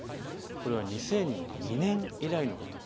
これは２００２年以来のこと。